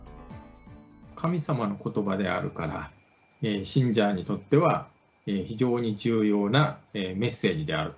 神様のことばであるから、信者にとっては非常に重要なメッセージである。